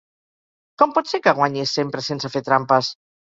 Com pot ser que guanyis sempre sense fer trampes?